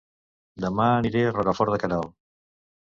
Dema aniré a Rocafort de Queralt